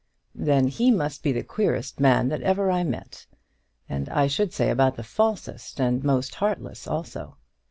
"Then he must be the queerest man that ever I met; and I should say about the falsest and most heartless also.